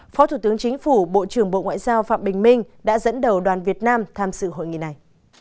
phó thủ tướng chính phủ bộ trưởng bộ ngoại giao phạm bình minh đã dẫn đầu đoàn việt nam tham sự hội nghị này